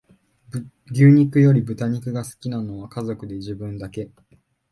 牛肉より豚肉が好きなのは家族で自分だけ